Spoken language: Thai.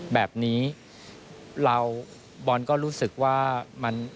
แบบนี้เราบอลก็รู้สึกว่ามัน